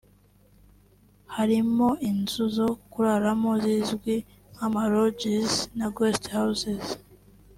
harimo inzu zo kuraramo zizwi nk’ama lodges na guest houses